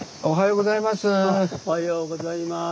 おはようございます。